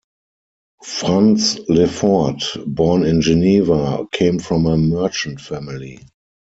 Franz Lefort, born in Geneva, came from a merchant family.